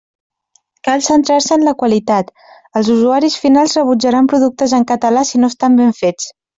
Cal centrar-se en la qualitat: els usuaris finals rebutjaran productes en català si no estan ben fets.